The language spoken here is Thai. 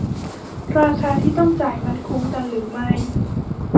ราคาที่ต้องจ่ายมันคุ้มกันหรือไม่